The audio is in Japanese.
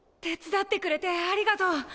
手伝ってくれてありがとう！